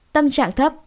tâm trạng thấp